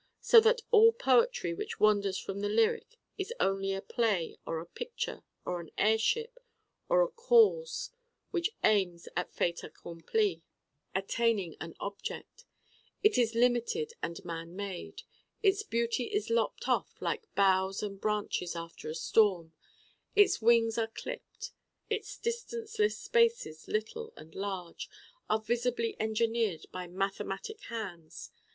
So that all poetry which wanders from the lyric is only a play or a picture or an airship or a cause which aims at fait accompli, attaining an object: it is limited and man made: its beauty is lopped off like boughs and branches after a storm: its wings are clipped. Its distanceless spaces, little and large, are visibly engineered by mathematic hands.